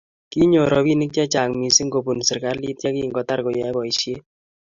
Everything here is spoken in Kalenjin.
Kinyor robinik chechang missing kobun serkalit ye kingotar koyoei boisiet